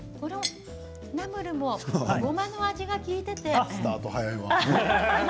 ナムルもごまの味が利いて。